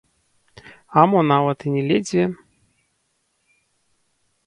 А мо нават і не ледзьве.